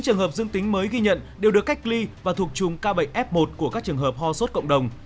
bốn trường hợp dương tính mới ghi nhận đều được cách ly và thuộc chùm ca bệnh f một của các trường hợp ho sốt cộng đồng